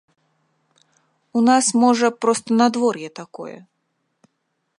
У нас, можа, проста надвор'е такое.